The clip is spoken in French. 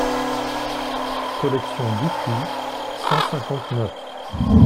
Collection Dupuis, cent cinquante-neuf.